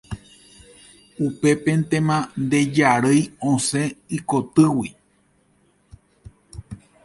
Upépentema nde jarýi osẽ ikotýgui.